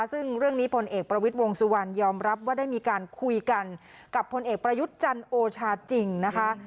ซึ่งเรื่องนี้พลเอกประวิทย์วงสุวรรณยอมรับว่าได้มีการคุยกันกับพลเอกประยุทธ์จันทร์โอชาจริงนะคะ